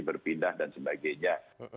dipindah dan sebagainya